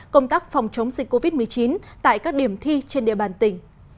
công tác phòng chống dịch covid một mươi chín tại các điểm thi trên địa bàn tỉnh